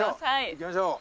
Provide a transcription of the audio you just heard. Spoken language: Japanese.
行きましょう！